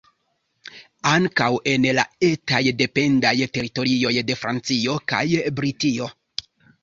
Ankaŭ en la etaj dependaj teritorioj de Francio kaj Britio.